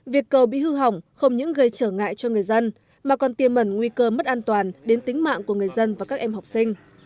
việc cầu bị hư hỏng không những gây trở ngại cho người dân mà còn tiêm mẩn nguy cơ mất an toàn đến tính mạng của người dân và các em học sinh